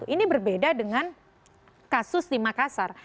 ini berbeda dengan kasus di makassar